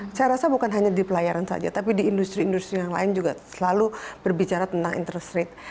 saya rasa bukan hanya di pelayaran saja tapi di industri industri yang lain juga selalu berbicara tentang interest rate